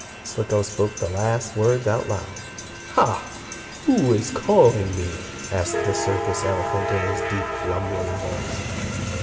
Slicko spoke the last words out loud. "Ha! Who is calling to me?" asked the circus elephant in his deep, rumbling voice.